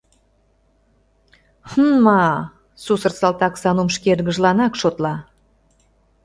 Хм-мА сусыр салтак Санум шке эргыжланак шотла.